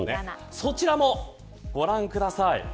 そちらもご覧ください。